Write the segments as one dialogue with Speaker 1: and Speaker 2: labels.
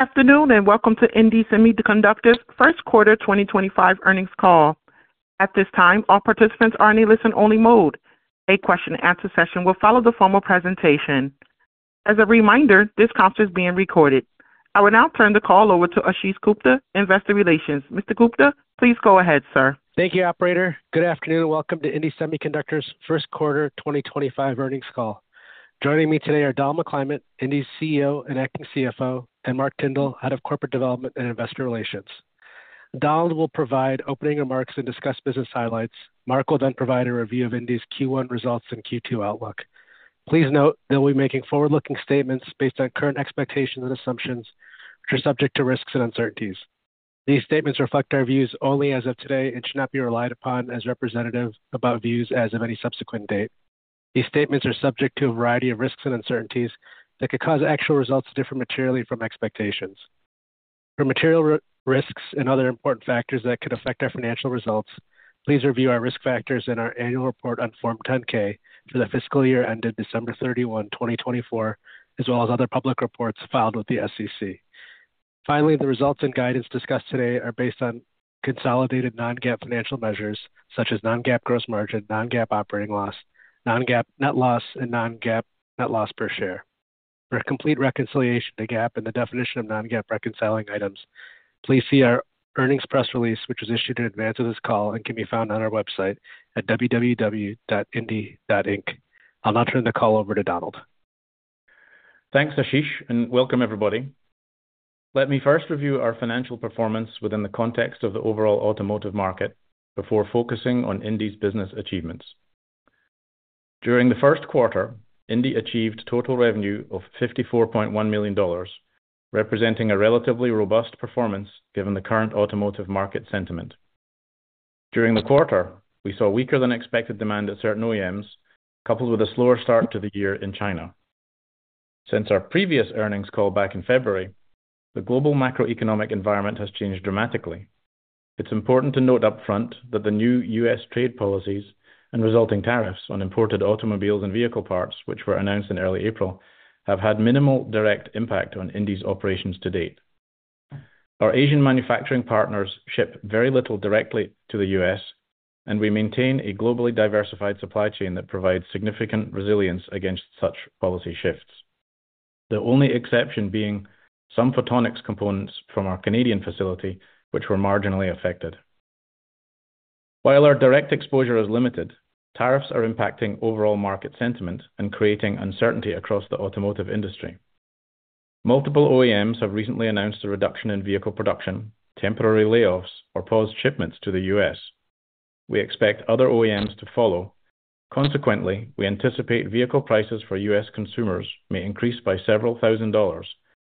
Speaker 1: Afternoon, and welcome to indie Semiconductor's first quarter 2025 earnings call. At this time, all participants are in a listen-only mode. A question-and-answer session will follow the formal presentation. As a reminder, this conference is being recorded. I will now turn the call over to Ashish Gupta, Investor Relations. Mr. Gupta, please go ahead, sir.
Speaker 2: Thank you, Operator. Good afternoon, and welcome to indie Semiconductor's first quarter 2025 earnings call. Joining me today are Donald McClymont, indie's CEO and acting CFO, and Mark Tyndall, Head of Corporate Development and Investor Relations. Donald will provide opening remarks and discuss business highlights. Mark will then provide a review of indie's Q1 results and Q2 outlook. Please note that we'll be making forward-looking statements based on current expectations and assumptions, which are subject to risks and uncertainties. These statements reflect our views only as of today and should not be relied upon as representative about views as of any subsequent date. These statements are subject to a variety of risks and uncertainties that could cause actual results to differ materially from expectations. For material risks and other important factors that could affect our financial results, please review our risk factors in our annual report on Form 10-K for the fiscal year ended December 31, 2024, as well as other public reports filed with the SEC. Finally, the results and guidance discussed today are based on consolidated Non-GAAP financial measures such as Non-GAAP gross margin, Non-GAAP operating loss, Non-GAAP net loss, and Non-GAAP net loss per share. For complete reconciliation to GAAP and the definition of Non-GAAP reconciling items, please see our earnings press release, which was issued in advance of this call and can be found on our website at www.indie.inc. I'll now turn the call over to Donald.
Speaker 3: Thanks, Ashish, and welcome, everybody. Let me first review our financial performance within the context of the overall automotive market before focusing on indie's business achievements. During the first quarter, indie achieved total revenue of $54.1 million, representing a relatively robust performance given the current automotive market sentiment. During the quarter, we saw weaker-than-expected demand at certain OEMs, coupled with a slower start to the year in China. Since our previous earnings call back in February, the global macroeconomic environment has changed dramatically. It's important to note upfront that the new U.S. trade policies and resulting tariffs on imported automobiles and vehicle parts, which were announced in early April, have had minimal direct impact on indie's operations to date. Our Asian manufacturing partners ship very little directly to the U.S. and we maintain a globally diversified supply chain that provides significant resilience against such policy shifts, the only exception being some photonics components from our Canadian facility, which were marginally affected. While our direct exposure is limited, tariffs are impacting overall market sentiment and creating uncertainty across the automotive industry. Multiple OEMs have recently announced a reduction in vehicle production, temporary layoffs, or paused shipments to the U.S. We expect other OEMs to follow. Consequently, we anticipate vehicle prices for U.S. consumers may increase by several thousand dollars,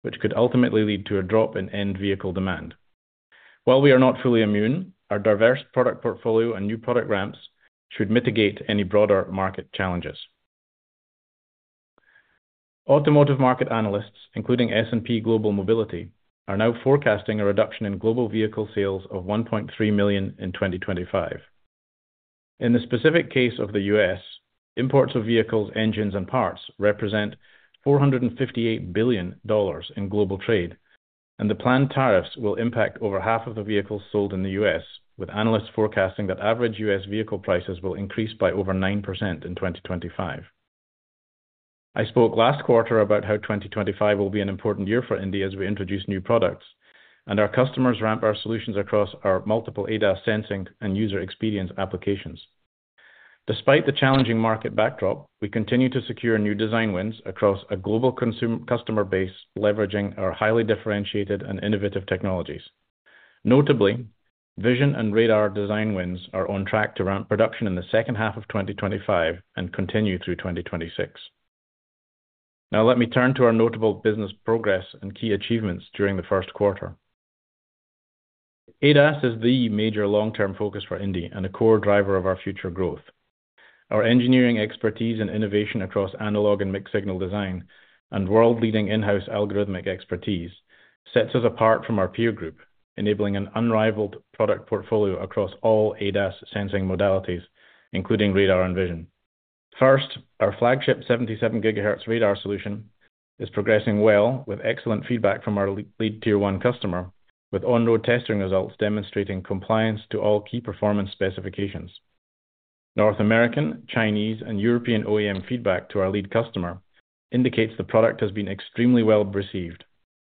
Speaker 3: which could ultimately lead to a drop in end vehicle demand. While we are not fully immune, our diverse product portfolio and new product ramps should mitigate any broader market challenges. Automotive market analysts, including S&P Global Mobility, are now forecasting a reduction in global vehicle sales of $1.3 million in 2025. In the specific case of the U.S., imports of vehicles, engines, and parts represent $458 billion in global trade, and the planned tariffs will impact over half of the vehicles sold in the U.S., with analysts forecasting that average U.S. vehicle prices will increase by over 9% in 2025. I spoke last quarter about how 2025 will be an important year for indie as we introduce new products, and our customers ramp our solutions across our multiple ADAS sensing and user experience applications. Despite the challenging market backdrop, we continue to secure new design wins across a global customer base leveraging our highly differentiated and innovative technologies. Notably, vision and radar design wins are on track to ramp production in the second half of 2025 and continue through 2026. Now, let me turn to our notable business progress and key achievements during the first quarter. ADAS is the major long-term focus for indie and a core driver of our future growth. Our engineering expertise and innovation across analog and mixed-signal design and world-leading in-house algorithmic expertise sets us apart from our peer group, enabling an unrivaled product portfolio across all ADAS sensing modalities, including radar and vision. First, our flagship 77 GHz Radar solution is progressing well with excellent feedback from our lead Tier 1 customer, with on-road testing results demonstrating compliance to all key performance specifications. North American, Chinese, and European OEM feedback to our lead customer indicates the product has been extremely well received.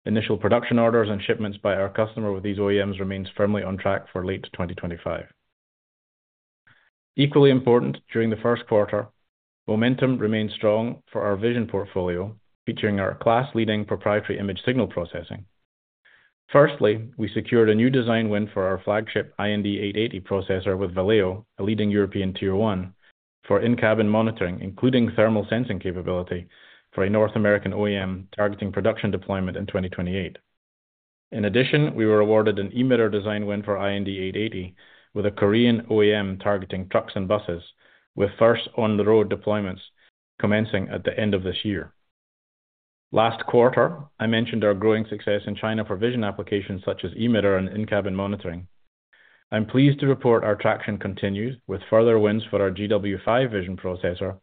Speaker 3: Initial production orders and shipments by our customer with these OEMs remain firmly on track for late 2025. Equally important, during the first quarter, momentum remains strong for our vision portfolio, featuring our class-leading proprietary image signal processing. Firstly, we secured a new design win for our flagship iND880 processor with Valeo, a leading European Tier 1, for in-cabin monitoring, including thermal sensing capability for a North American OEM targeting production deployment in 2028. In addition, we were awarded an e-meter design win for iND880 with a Korean OEM targeting trucks and buses, with first on-the-road deployments commencing at the end of this year. Last quarter, I mentioned our growing success in China for vision applications such as e-meter and in-cabin monitoring. I'm pleased to report our traction continues with further wins for our GW5 vision processor,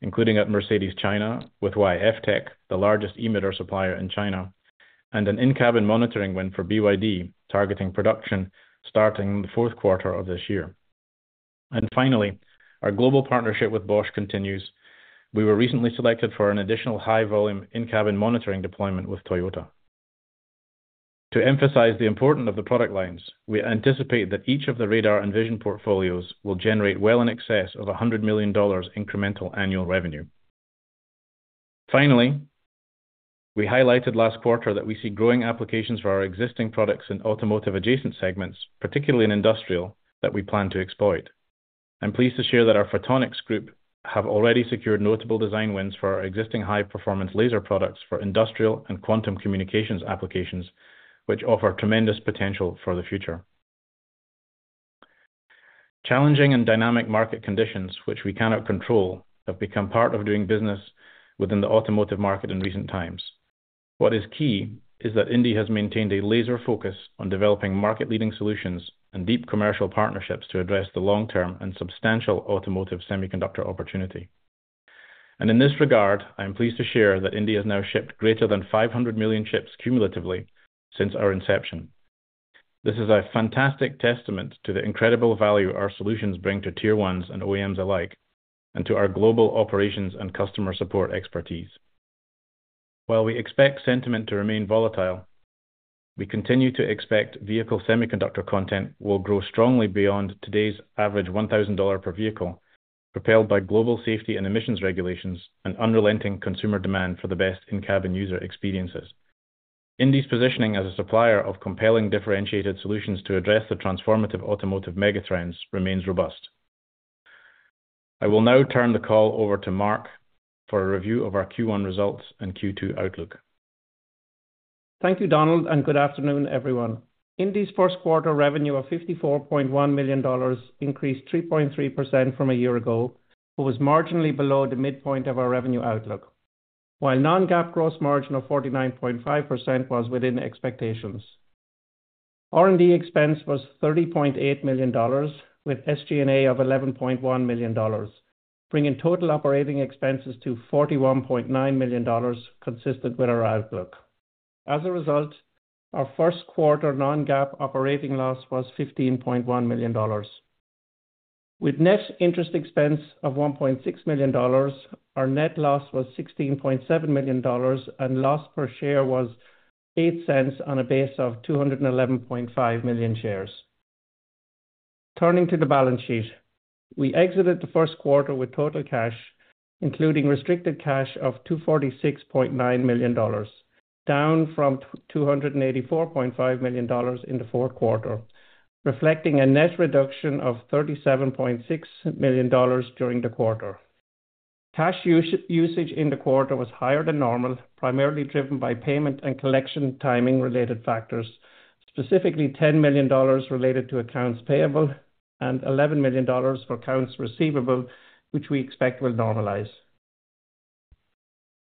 Speaker 3: including at Mercedes China with YFTech, the largest e-meter supplier in China, and an in-cabin monitoring win for BYD targeting production starting the fourth quarter of this year. Our global partnership with Bosch continues. We were recently selected for an additional high-volume in-cabin monitoring deployment with Toyota. To emphasize the importance of the product lines, we anticipate that each of the radar and vision portfolios will generate well in excess of $100 million incremental annual revenue. We highlighted last quarter that we see growing applications for our existing products in automotive-adjacent segments, particularly in industrial, that we plan to exploit. I'm pleased to share that our photonics group have already secured notable design wins for our existing high-performance laser products for industrial and quantum communications applications, which offer tremendous potential for the future. Challenging and dynamic market conditions, which we cannot control, have become part of doing business within the automotive market in recent times. What is key is that indie has maintained a laser focus on developing market-leading solutions and deep commercial partnerships to address the long-term and substantial automotive semiconductor opportunity. In this regard, I'm pleased to share that indie has now shipped greater than 500 million chips cumulatively since our inception. This is a fantastic testament to the incredible value our solutions bring to tier ones and OEMs alike, and to our global operations and customer support expertise. While we expect sentiment to remain volatile, we continue to expect vehicle semiconductor content will grow strongly beyond today's average $1,000 per vehicle, propelled by global safety and emissions regulations and unrelenting consumer demand for the best in-cabin user experiences. indie's positioning as a supplier of compelling differentiated solutions to address the transformative automotive megatrends remains robust. I will now turn the call over to Mark for a review of our Q1 results and Q2 outlook.
Speaker 4: Thank you, Donald, and good afternoon, everyone. indie's first quarter revenue of $54.1 million increased 3.3% from a year ago, but was marginally below the midpoint of our revenue outlook, while Non-GAAP gross margin of 49.5% was within expectations. R&D expense was $30.8 million, with SG&A of $11.1 million, bringing total operating expenses to $41.9 million, consistent with our outlook. As a result, our first quarter Non-GAAP operating loss was $15.1 million. With net interest expense of $1.6 million, our net loss was $16.7 million, and loss per share was $0.08 on a base of 211.5 million shares. Turning to the balance sheet, we exited the first quarter with total cash, including restricted cash, of $246.9 million, down from $284.5 million in the fourth quarter, reflecting a net reduction of $37.6 million during the quarter. Cash usage in the quarter was higher than normal, primarily driven by payment and collection timing-related factors, specifically $10 million related to accounts payable and $11 million for accounts receivable, which we expect will normalize.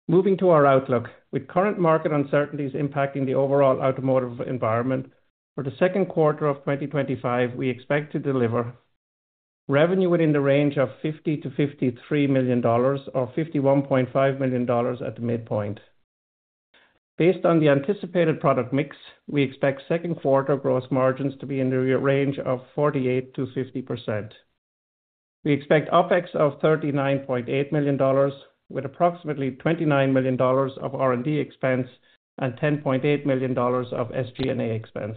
Speaker 4: Moving to our outlook, with current market uncertainties impacting the overall automotive environment, for the second quarter of 2025, we expect to deliver revenue within the range of $50 million-$53 million, or $51.5 million at the midpoint. Based on the anticipated product mix, we expect second quarter gross margins to be in the range of 48%-50%. We expect OpEx of $39.8 million, with approximately $29 million of R&D expense and $10.8 million of SG&A expense.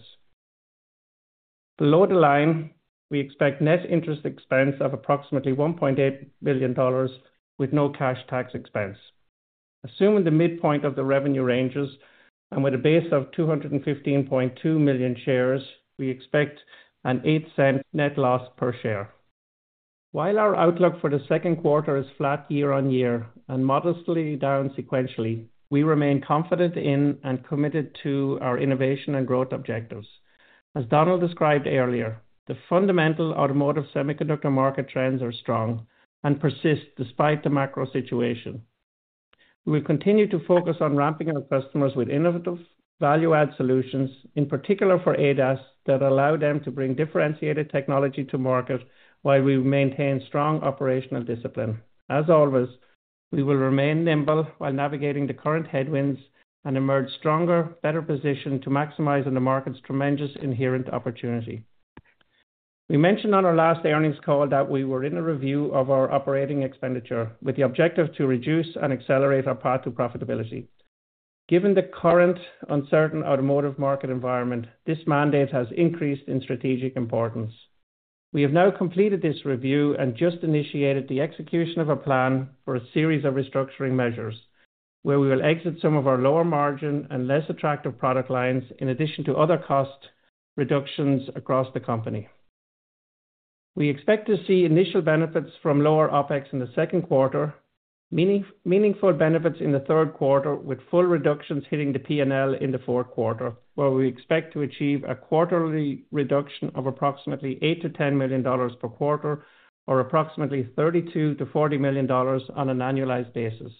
Speaker 4: Below the line, we expect net interest expense of approximately $1.8 million, with no cash tax expense. Assuming the midpoint of the revenue ranges and with a base of 215.2 million shares, we expect an $0.08 net loss per share. While our outlook for the second quarter is flat year-on-year and modestly down sequentially, we remain confident in and committed to our innovation and growth objectives. As Donald described earlier, the fundamental automotive semiconductor market trends are strong and persist despite the macro situation. We will continue to focus on ramping our customers with innovative value-add solutions, in particular for ADAS, that allow them to bring differentiated technology to market while we maintain strong operational discipline. As always, we will remain nimble while navigating the current headwinds and emerge stronger, better positioned to maximize on the market's tremendous inherent opportunity. We mentioned on our last earnings call that we were in a review of our operating expenditure with the objective to reduce and accelerate our path to profitability. Given the current uncertain automotive market environment, this mandate has increased in strategic importance. We have now completed this review and just initiated the execution of a plan for a series of restructuring measures where we will exit some of our lower margin and less attractive product lines in addition to other cost reductions across the company. We expect to see initial benefits from lower OpEx in the second quarter, meaningful benefits in the third quarter, with full reductions hitting the P&L in the fourth quarter, where we expect to achieve a quarterly reduction of approximately $8 million-$10 million per quarter, or approximately $32 million-$40 million on an annualized basis.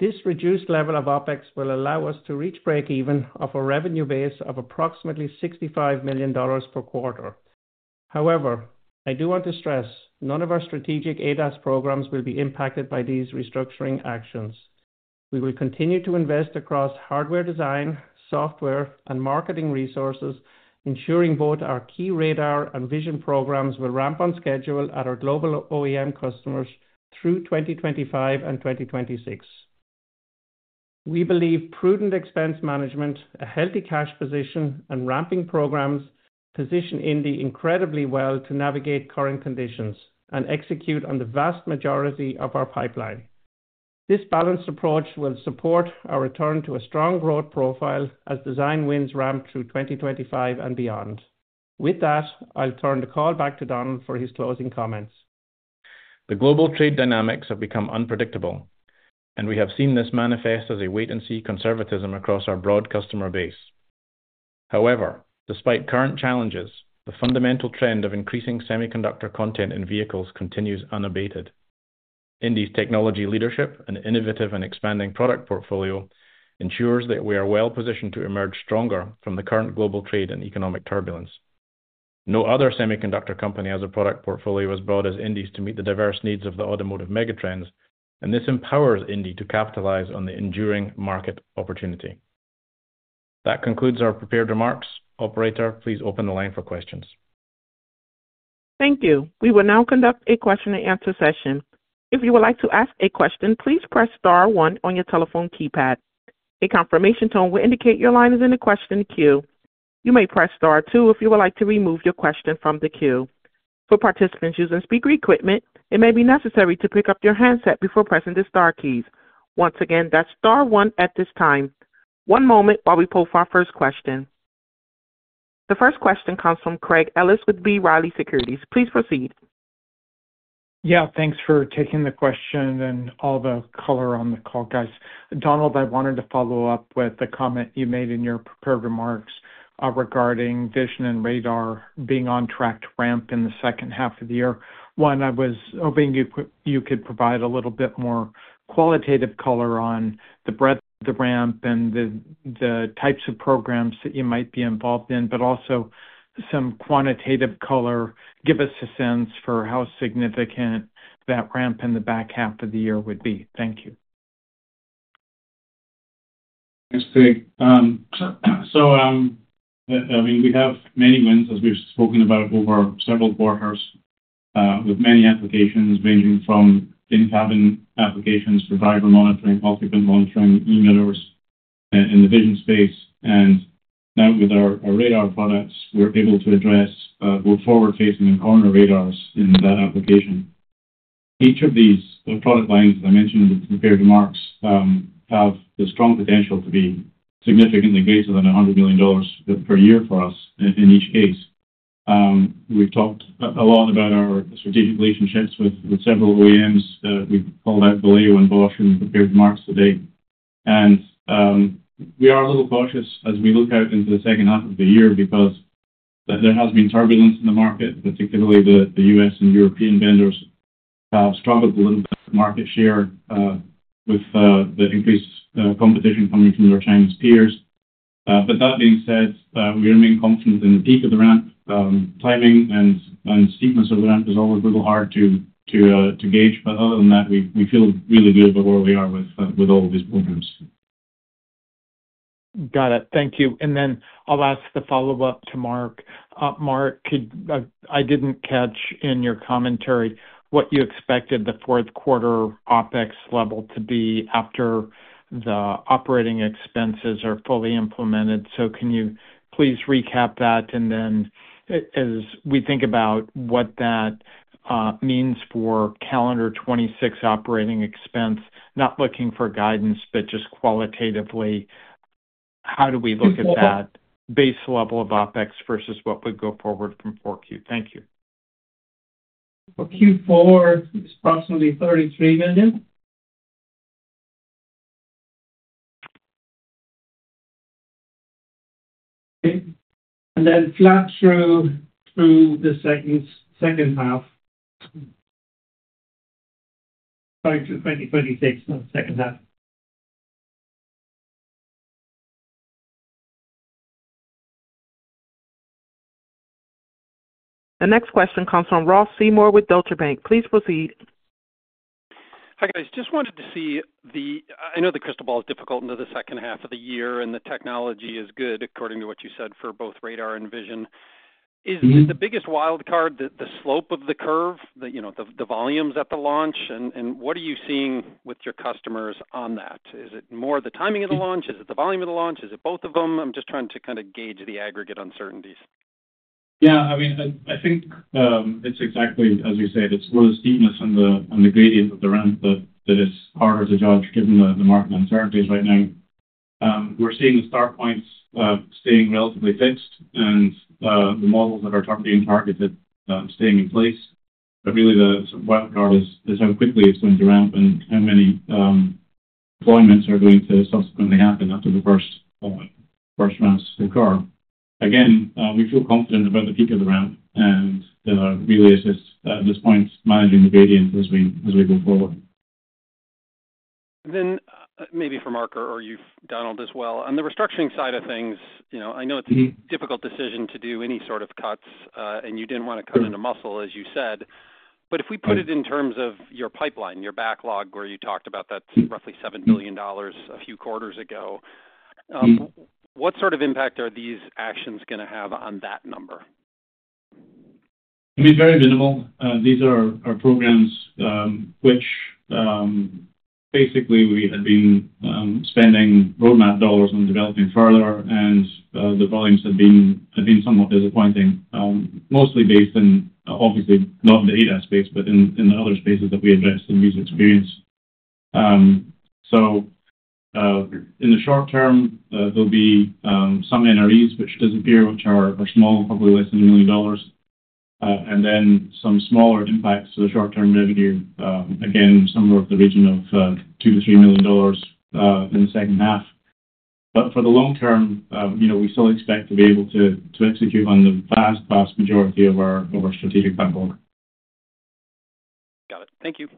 Speaker 4: This reduced level of OpEx will allow us to reach break-even at a revenue base of approximately $65 million per quarter. However, I do want to stress none of our strategic ADAS programs will be impacted by these restructuring actions. We will continue to invest across hardware design, software, and marketing resources, ensuring both our key radar and vision programs will ramp on schedule at our global OEM customers through 2025 and 2026. We believe prudent expense management, a healthy cash position, and ramping programs position indie incredibly well to navigate current conditions and execute on the vast majority of our pipeline. This balanced approach will support our return to a strong growth profile as design wins ramp through 2025 and beyond. With that, I'll turn the call back to Donald for his closing comments.
Speaker 3: The global trade dynamics have become unpredictable, and we have seen this manifest as a wait-and-see conservatism across our broad customer base. However, despite current challenges, the fundamental trend of increasing semiconductor content in vehicles continues unabated. indie's technology leadership and innovative and expanding product portfolio ensures that we are well positioned to emerge stronger from the current global trade and economic turbulence. No other semiconductor company has a product portfolio as broad as indie's to meet the diverse needs of the automotive megatrends, and this empowers indie to capitalize on the enduring market opportunity. That concludes our prepared remarks. Operator, please open the line for questions.
Speaker 1: Thank you. We will now conduct a question-and-answer session. If you would like to ask a question, please press star one on your telephone keypad. A confirmation tone will indicate your line is in the question queue. You may press star two if you would like to remove your question from the queue. For participants using speaker equipment, it may be necessary to pick up your handset before pressing the Star keys. Once again, that's star one at this time. One moment while we pull for our first question. The first question comes from Craig Ellis with B. Riley Securities. Please proceed.
Speaker 5: Yeah, thanks for taking the question and all the color on the call, guys. Donald, I wanted to follow up with the comment you made in your prepared remarks regarding vision and radar being on track to ramp in the second half of the year. One, I was hoping you could provide a little bit more qualitative color on the breadth of the ramp and the types of programs that you might be involved in, but also some quantitative color. Give us a sense for how significant that ramp in the back half of the year would be. Thank you.
Speaker 3: Thanks, Craig. I mean, we have many wins, as we've spoken about, over several quarters with many applications ranging from in-cabin applications for driver monitoring, occupant monitoring, e-meter in the vision space. Now with our radar products, we're able to address both forward-facing and corner radars in that application. Each of these product lines, as I mentioned in the prepared remarks, have the strong potential to be significantly greater than $100 million per year for us in each case. We've talked a lot about our strategic relationships with several OEMs. We've called out Valeo and Bosch in the prepared remarks today. We are a little cautious as we look out into the second half of the year because there has been turbulence in the market, particularly the U.S. and European vendors have struggled a little bit with market share with the increased competition coming from their Chinese peers. That being said, we remain confident in the peak of the ramp timing, and steepness of the ramp is always a little hard to gauge. Other than that, we feel really good about where we are with all of these programs.
Speaker 5: Got it. Thank you. I'll ask the follow-up to Mark. Mark, I didn't catch in your commentary what you expected the fourth quarter OpEx level to be after the operating expenses are fully implemented. Can you please recap that? As we think about what that means for calendar 2026 operating expense, not looking for guidance, but just qualitatively, how do we look at that base level of OpEx versus what would go forward from Q4? Thank you.
Speaker 4: For Q4, it's approximately $33 million. It is then flat through 2026, not the second half.
Speaker 1: The next question comes from Ross Seymour with Deutsche Bank. Please proceed.
Speaker 6: Hi, guys. Just wanted to see the—I know the crystal ball is difficult into the second half of the year, and the technology is good, according to what you said, for both radar and vision. Is the biggest wildcard the slope of the curve, the volumes at the launch? What are you seeing with your customers on that? Is it more the timing of the launch? Is it the volume of the launch? Is it both of them? I'm just trying to kind of gauge the aggregate uncertainties.
Speaker 3: Yeah, I mean, I think it's exactly as you said. It's more the steepness on the gradient of the ramp that is harder to judge given the market uncertainties right now. We're seeing the start points staying relatively fixed and the models that are being targeted staying in place. Really, the wildcard is how quickly it's going to ramp and how many deployments are going to subsequently happen after the first ramps occur. Again, we feel confident about the peak of the ramp, and really, it's just at this point managing the gradient as we go forward.
Speaker 6: Maybe for Mark or you, Donald, as well. On the restructuring side of things, I know it's a difficult decision to do any sort of cuts, and you didn't want to cut into muscle, as you said. If we put it in terms of your pipeline, your backlog, where you talked about that's roughly $7 billion a few quarters ago, what sort of impact are these actions going to have on that number?
Speaker 3: It'll be very minimal. These are our programs, which basically we had been spending roadmap dollars on developing further, and the volumes have been somewhat disappointing, mostly based in, obviously, not the ADAS space, but in the other spaces that we addressed in user experience. In the short term, there'll be some NREs, which disappear, which are small, probably less than $1 million, and then some smaller impacts to the short-term revenue, again, somewhere in the region of $2 million-$3 million in the second half. For the long term, we still expect to be able to execute on the vast, vast majority of our strategic backlog.
Speaker 6: Got it. Thank you.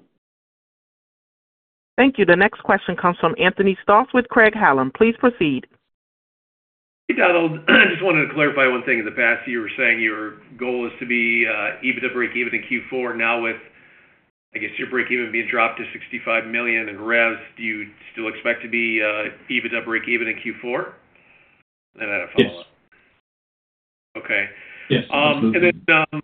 Speaker 1: Thank you. The next question comes from Anthony Stoss with Craig-Hallum. Please proceed.
Speaker 7: Hey, Donald. I just wanted to clarify one thing. In the past, you were saying your goal is to be even to break even in Q4. Now, with, I guess, your break-even being dropped to $65 million in revenue, do you still expect to be even to break even in Q4? And I have a follow-up. Yes. Okay.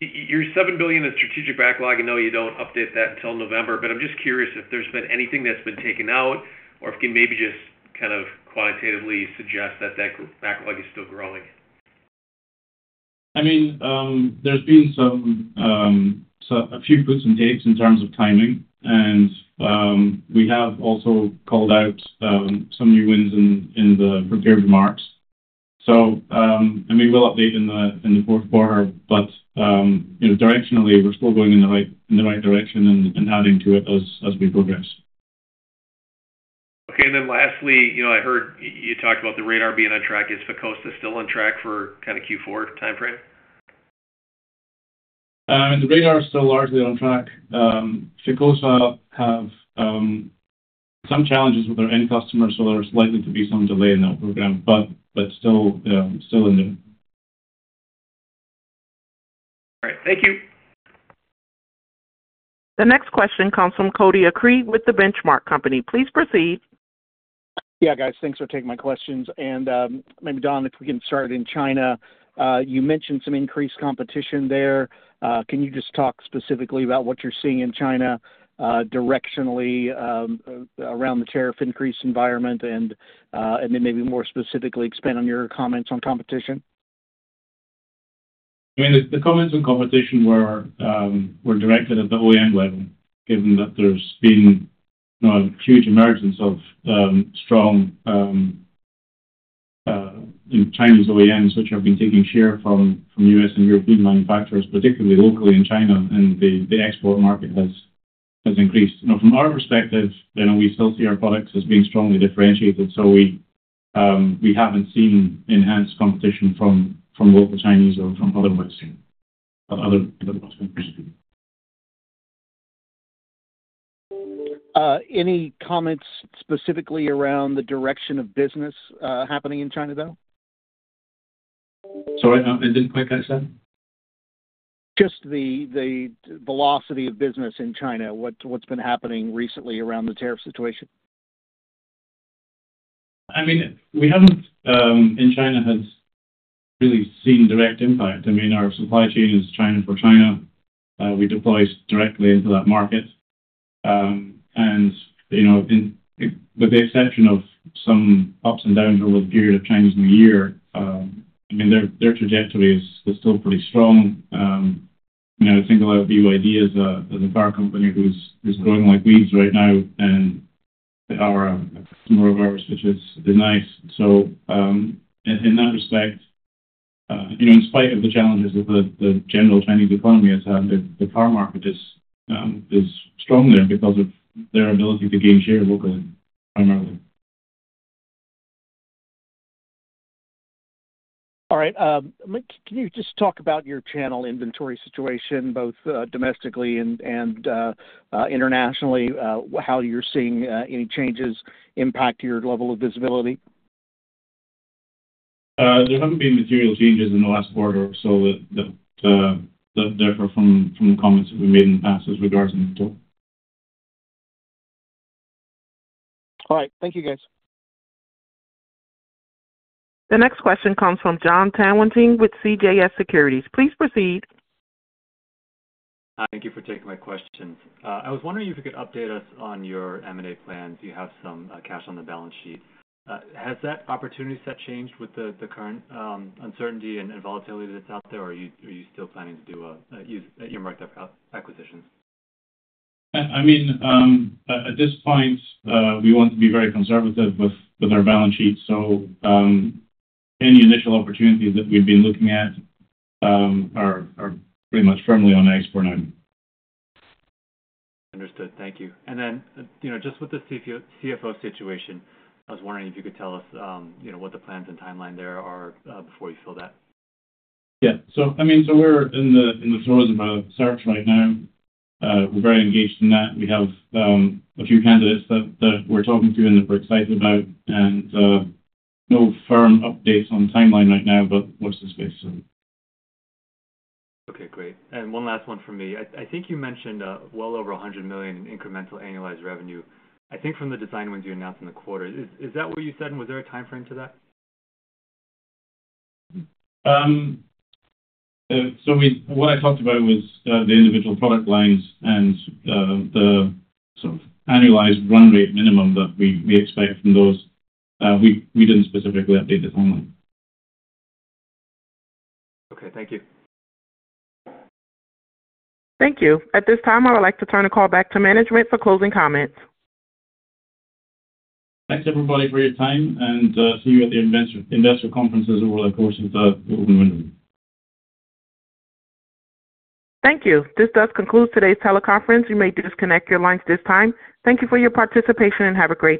Speaker 7: Your $7 billion in strategic backlog, I know you do not update that until November, but I am just curious if there has been anything that has been taken out or if you can maybe just kind of quantitatively suggest that that backlog is still growing.
Speaker 3: I mean, there's been a few puts and takes in terms of timing, and we have also called out some new wins in the prepared remarks. I mean, we'll update in the fourth quarter, but directionally, we're still going in the right direction and adding to it as we progress.
Speaker 7: Okay. Lastly, I heard you talked about the radar being on track. Is FICOSA still on track for kind of Q4 timeframe?
Speaker 3: I mean, the radar is still largely on track. FICOSA have some challenges with their end customers, so there's likely to be some delay in that program, but still in there.
Speaker 7: All right. Thank you.
Speaker 1: The next question comes from Cody Acree with the Benchmark Company. Please proceed.
Speaker 8: Yeah, guys. Thanks for taking my questions. Maybe, Donald, if we can start in China. You mentioned some increased competition there. Can you just talk specifically about what you're seeing in China directionally around the tariff increase environment? Maybe more specifically, expand on your comments on competition.
Speaker 3: I mean, the comments on competition were directed at the OEM level, given that there's been a huge emergence of strong Chinese OEMs, which have been taking share from U.S. and European manufacturers, particularly locally in China, and the export market has increased. From our perspective, we still see our products as being strongly differentiated, so we haven't seen enhanced competition from both the Chinese or from otherwise from other customers.
Speaker 8: Any comments specifically around the direction of business happening in China, though?
Speaker 3: Sorry, I didn't quite catch that.
Speaker 8: Just the velocity of business in China, what's been happening recently around the tariff situation?
Speaker 3: I mean, we haven't in China has really seen direct impact. I mean, our supply chain is China for China. We deploy directly into that market. With the exception of some ups and downs over the period of Chinese New Year, I mean, their trajectory is still pretty strong. I think about BYD as a car company who's growing like weeds right now and a customer of ours, which is nice. In that respect, in spite of the challenges that the general Chinese economy has had, the car market is strong there because of their ability to gain share locally, primarily.
Speaker 8: All right. Can you just talk about your channel inventory situation, both domestically and internationally, how you're seeing any changes impact your level of visibility?
Speaker 3: There haven't been material changes in the last quarter or so that differ from the comments that we made in the past as regards to inventory.
Speaker 8: All right. Thank you, guys.
Speaker 1: The next question comes from John Tanwenting with CJS Securities. Please proceed.
Speaker 9: Thank you for taking my question. I was wondering if you could update us on your M&A plans. You have some cash on the balance sheet. Has that opportunity set changed with the current uncertainty and volatility that's out there, or are you still planning to use earmark that for acquisitions?
Speaker 3: I mean, at this point, we want to be very conservative with our balance sheet. Any initial opportunities that we've been looking at are pretty much firmly on export now.
Speaker 9: Understood. Thank you. And then just with the CFO situation, I was wondering if you could tell us what the plans and timeline there are before you fill that.
Speaker 3: Yeah. I mean, we're in the throes of our search right now. We're very engaged in that. We have a few candidates that we're talking to and that we're excited about. No firm updates on timeline right now, but watch this space.
Speaker 9: Okay. Great. And one last one from me. I think you mentioned well over $100 million in incremental annualized revenue. I think from the design wins you announced in the quarter. Is that what you said, and was there a timeframe to that?
Speaker 3: What I talked about was the individual product lines and the sort of annualized run rate minimum that we expect from those. We didn't specifically update the timeline.
Speaker 9: Okay. Thank you.
Speaker 1: Thank you. At this time, I would like to turn the call back to management for closing comments.
Speaker 3: Thanks, everybody, for your time, and see you at the investor conferences over the course of the open window.
Speaker 1: Thank you. This does conclude today's teleconference. You may disconnect your lines at this time. Thank you for your participation and have a great day.